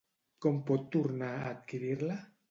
Com pot tornar a adquirir-la?